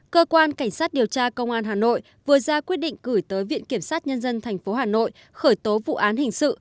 cơ quan cảnh sát điều tra công an hà nội vừa ra quyết định gửi tới viện kiểm sát nhân dân tp hà nội khởi tố vụ án hình sự